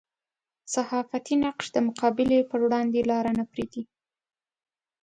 صحافتي نقش د مقابلې پر وړاندې لاره نه پرېږدي.